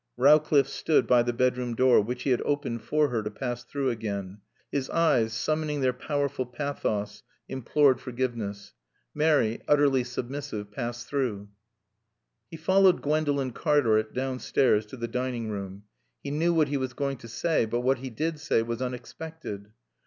Rowcliffe stood by the bedroom door, which he had opened for her to pass through again. His eyes, summoning their powerful pathos, implored forgiveness. Mary, utterly submissive, passed through. He followed Gwendolen Cartaret downstairs to the dining room. He knew what he was going to say, but what he did say was unexpected.